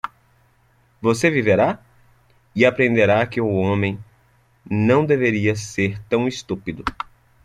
Você viverá? e aprenderá que um homem não deveria ser tão estúpido.